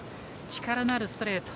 力のあるストレート